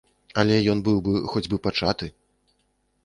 Але ён быў бы хоць бы пачаты!